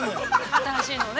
◆新しいのをね。